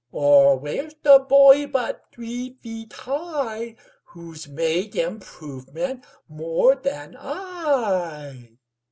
Or where's the boy but three feet high Who's made improvement more than I?